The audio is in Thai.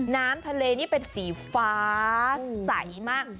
น้ำทะเลนี่เป็นสีฟ้าใสมาก